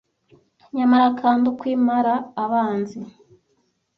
Nyamara kandi ukwo imara abanzi!